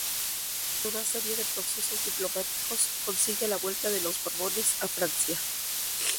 Tras una serie de procesos diplomáticos consigue la vuelta de los Borbones a Francia.